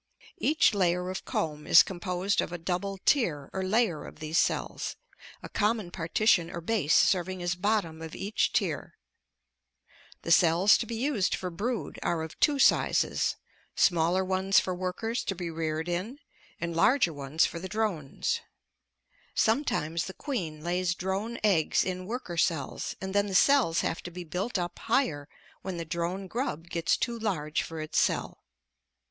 Each layer of comb is composed of a double tier or layer of these cells, a common partition or base serving as bottom of each tier. The cells to be used for brood are of two sizes, smaller ones for workers to be reared in, and larger ones for the drones. Sometimes the queen lays drone eggs in worker cells and then the cells have to be built up higher when the drone grub gets too large for its cell.